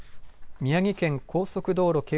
宮城県高速道路